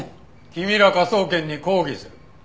君ら科捜研に抗議する。